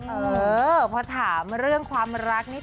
เออพอถามเรื่องความรักนี่